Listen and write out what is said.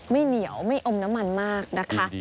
ไม่เหนียวไม่อมน้ำมันมากนะคะ